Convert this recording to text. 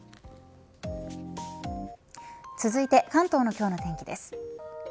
続いて関東の今日の天気です。